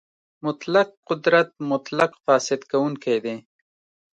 مطلق قدرت مطلق فاسد کوونکی دی.